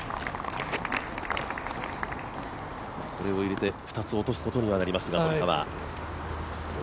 これを入れて２つ落とすことにはなりますが。